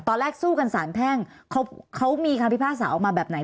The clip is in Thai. ตอนแรกสู้กันสารแพ่งเขามีความพิพาศาออกมาแบบไหน